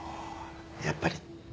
やっぱり？